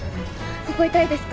ここ痛いですか？